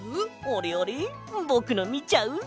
あれあれぼくのみちゃう？